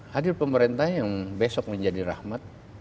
hadir pemerintah yang besok menjadi rahmat